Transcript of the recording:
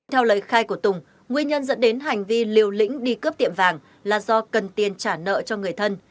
theo lời khai của tùng nguyên nhân dẫn đến hành vi liều lĩnh đi cướp tiệm vàng là do cần tiền trả nợ cho người thân